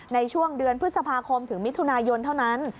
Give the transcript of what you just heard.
ในช่วงเดือนพฤษภาคมถึงมิถุนายนเท่านั้น